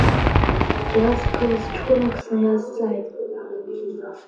Иаасԥылаз ҷкәынак снаиазҵааит…